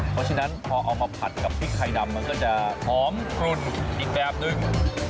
เพราะฉะนั้นพอเอามาผัดกับพริกไทยดำมันก็จะหอมกลุ่นอีกแบบหนึ่ง